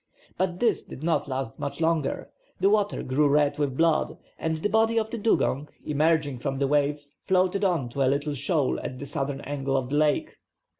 But this did not last much longer. The water grew red with blood, and the body of the dugong, emerging from the waves, floated on to a little shoal at the southern angle of the lake.